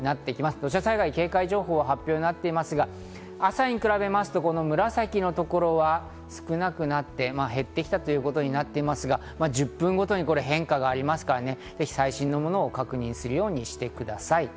土砂災害の警戒情報が発表されていますが、朝に比べると紫のところは少なくなって減ってきたということになりますが、１０分ごとに変化がありますから、ぜひ最新のものを確認するようにしてください。